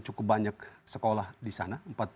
cukup banyak sekolah di sana